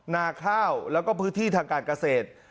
นาข้าวแล้วก็พื้นที่ทางการเกษตร